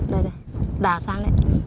đây đây đào sang đấy